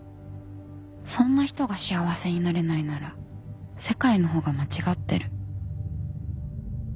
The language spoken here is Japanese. そんな人が幸せになれないなら世界の方が間違ってる。